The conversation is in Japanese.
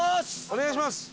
お願いします。